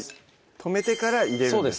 止めてから入れるんですね